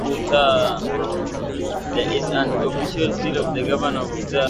There is an official seal of the Governor of Utah.